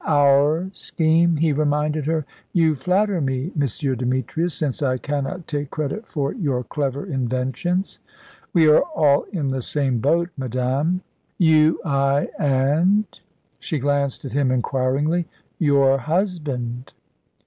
"Our scheme," he reminded her. "You flatter me, M. Demetrius, since I cannot take credit for your clever inventions." "We are all in the same boat, madame." "You, I, and ?" she glanced at him inquiringly. "Your husband."